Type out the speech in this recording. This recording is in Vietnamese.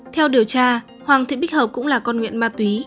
theo điều tra hoàng thị bích hợp cũng là con nghiện ma túy